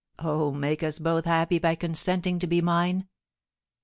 Oh, make us both happy by consenting to be mine!